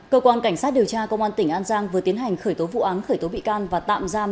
cơ quan cảnh sát điều tra công an tỉnh an giang vừa tiến hành khởi tố vụ án khởi tố bị can và tạm giam